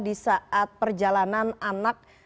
di saat perjalanan anak